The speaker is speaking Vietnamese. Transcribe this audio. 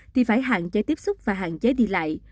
thì phải hạn chế tiếp xúc và hạn chế đi lại